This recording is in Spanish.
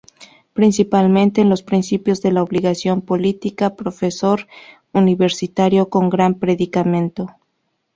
Principalmente en "Los principios de la obligación política", profesor universitario con gran predicamento.